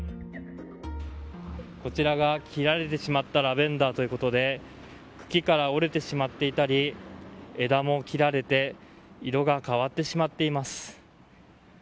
こちらが、切られてしまったラベンダーということで茎から折れてしまっていたり枝も切られて色が変わってしまっています。